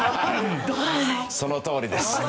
そのとおりです。